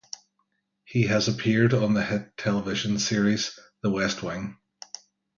He has appeared on the hit television series "The West Wing".